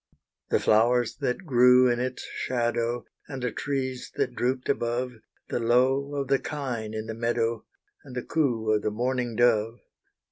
The flowers that grew in its shadow, And the trees that drooped above; The low of the kine in the meadow, And the coo of the morning dove.